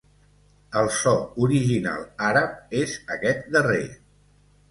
El so original àrab és aquest darrer.